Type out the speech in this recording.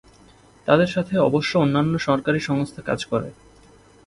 তাদের সাথে অবশ্য অন্যান্য সরকারি সংস্থা কাজ করে।